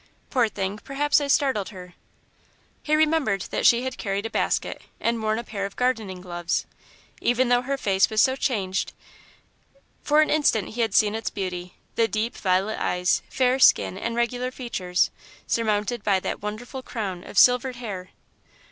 Poor thing, perhaps I startled her." He remembered that she had carried a basket and worn a pair of gardening gloves. Even though her face was so changed, for an instant he had seen its beauty the deep violet eyes, fair skin, and regular features, surmounted by that wonderful crown of silvered hair.